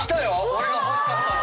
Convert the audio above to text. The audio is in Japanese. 俺が欲しかったの。